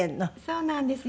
そうなんです。